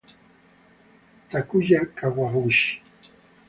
Takuya Kawaguchi